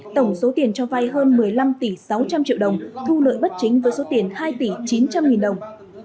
tổng số tiền cho vay hơn một mươi năm tỷ sáu trăm linh triệu đồng thu lợi bất chính với số tiền hai tỷ chín trăm linh nghìn đồng